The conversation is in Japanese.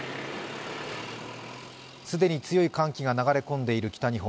既に強い寒気が流れ込んでいる北日本。